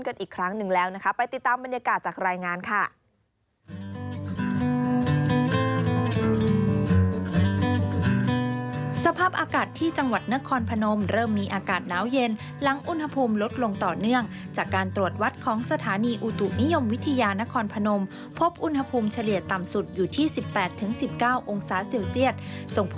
กันอีกครั้งหนึ่งแล้วนะคะไปติดตามบรรยากาศ